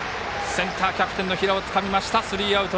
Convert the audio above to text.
センター、キャプテンの平尾がつかんでスリーアウト。